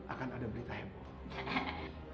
akan ada berita heboh